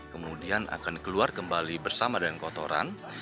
kemudian akan keluar kembali bersama dengan kotoran